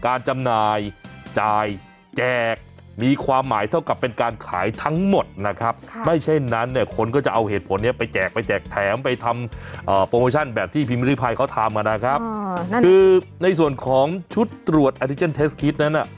อ่าโปรโมชั่นแบบที่พิมพิภัยเขาทำมานะครับอ่านั่นคือในส่วนของชุดตรวจนั้นอ่ะ